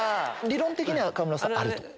理論的には川村さんあると。